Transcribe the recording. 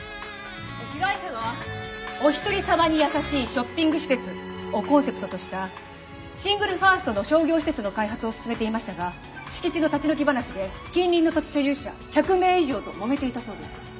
被害者は「おひとりさまに優しいショッピング施設」をコンセプトとしたシングルファーストの商業施設の開発を進めていましたが敷地の立ち退き話で近隣の土地所有者１００名以上ともめていたそうです。